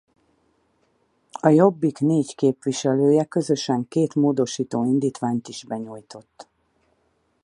A Jobbik négy képviselője közösen két módosító indítványt is benyújtott.